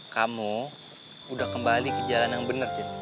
kamu udah kembali ke jalan yang bener cin